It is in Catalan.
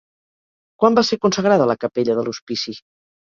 Quan va ser consagrada la capella de l'hospici?